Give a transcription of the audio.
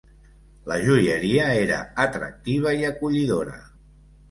La joieria era atractiva i acollidora.